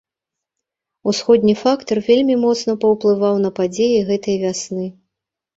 Усходні фактар вельмі моцна паўплываў на падзеі гэтай вясны.